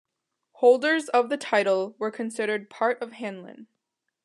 Holders of the title were considered part of Hanlin.